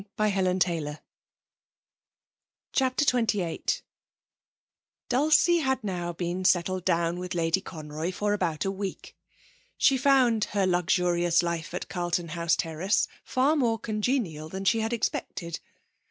They should be patient. CHAPTER XXVIII Dulcie had now been settled down with Lady Conroy for about a week. She found her luxurious life at Carlton House Terrace far more congenial than she had expected.